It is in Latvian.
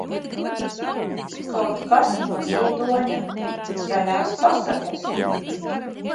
Kaut kas no Ziedoņa "Zaļās pasakas".